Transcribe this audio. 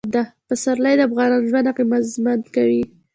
پسرلی د افغانانو ژوند اغېزمن کوي.